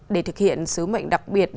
để thực hiện sứ mệnh đặc biệt